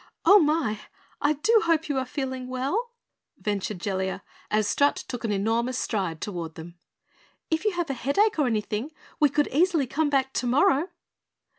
"Oh, my I do hope you are feeling well?" ventured Jellia, as Strut took an enormous stride toward them. "If you have a headache or anything, we could easily come back tomorrow."